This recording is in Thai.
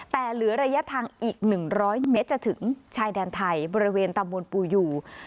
แต่เหลือระยะทางอีก๑๐๐เมตรจะถึงชายแดนไทยบริเวณตำบลปูอยู่